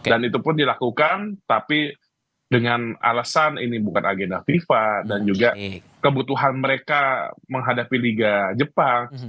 itu pun dilakukan tapi dengan alasan ini bukan agenda fifa dan juga kebutuhan mereka menghadapi liga jepang